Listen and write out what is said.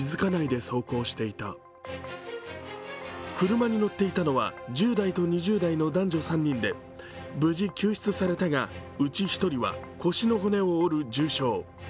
車に乗っていたのは１０代と２０代の男女３人で無事救出されたが、うち１人は腰の骨を折る重傷。